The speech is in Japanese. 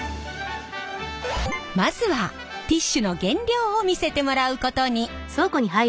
まずはティッシュの原料を見せてもらうことに。